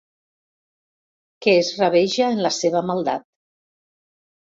Que es rabeja en la seva maldat.